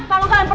kalau mau apa